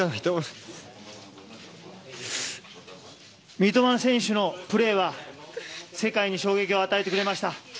三笘選手のプレーは、世界に衝撃を与えてくれました。